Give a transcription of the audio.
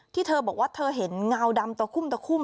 ที่เธอบอกว่าเธอเห็นงาวดำตะคุ่ม